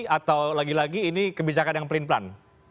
atau lagi lagi ini kebijakan yang pelin pelan